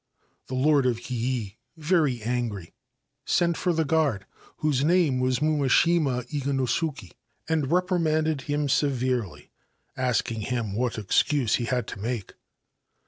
The Lord of Kii, very angry, sent for the guard, whose name was Mumashima Iganosuke, and reprimanded him severely, asking him what excuse he had to make.